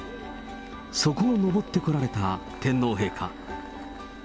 そこを登ってこられた天皇陛下。